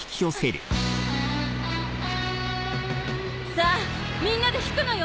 さあみんなで引くのよ！